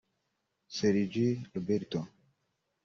Sergi Roberto